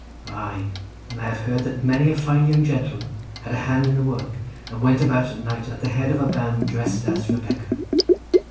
Aye, and I have heard that many a fine young gentleman had a hand in the work, and went about at night at the head of a band dressed as Rebecca.